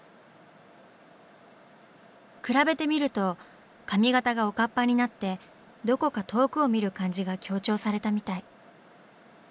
比べてみると髪型がおかっぱになってどこか遠くを見る感じが強調されたみたい。